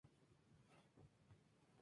Checoslovaquia está aislada.